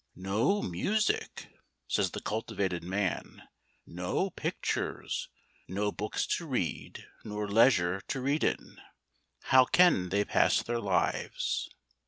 "No music," says the cultivated man, "no pictures, no books to read nor leisure to read in. How can they pass their lives?"